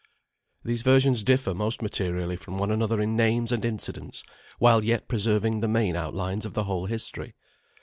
These versions differ most materially from one another in names and incidents, while yet preserving the main outlines of the whole history.